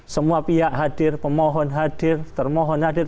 semua pihak hadir pemohon hadir termohon hadir